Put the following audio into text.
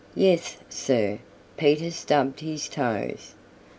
Yes, sir, Peter stubbed his toes.